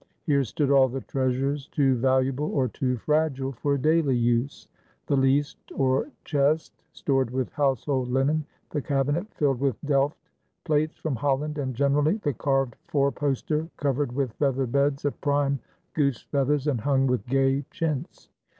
Here stood all the treasures too valuable or too fragile for daily use: the least, or chest, stored with household linen, the cabinet filled with Delft plates from Holland, and generally the carved four poster covered with feather beds of prime goose feathers and hung with gay chintz.